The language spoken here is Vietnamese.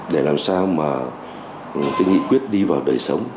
để làm sao mà cái nghị quyết đi vào đời sống